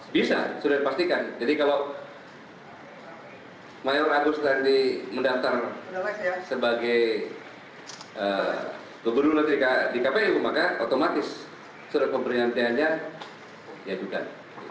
bisa sudah dipastikan jadi kalau mayor agus tandi mendaftar sebagai gubernur latrika di kpu maka otomatis surat pemberian tianya diadukan